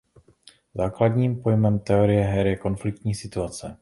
Základním pojmem teorie her je konfliktní situace.